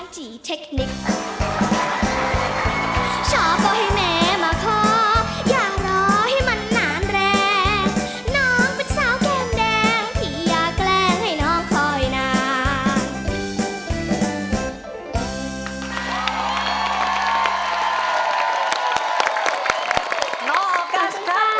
ชอบก็ให้แม่มาขออย่ารอให้มันนานแรงน้องเป็นสาวแก้มแดงที่อย่าแกล้งให้น้องคอยนาน